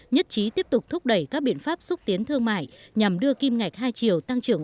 nhất trí tiếp tục thúc đẩy các biện pháp xúc tiến thương mại nhằm đưa kim ngạch hai triệu tăng trưởng